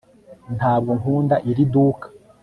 ntabwo nkunda iri duka